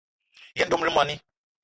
Yen dom le moní.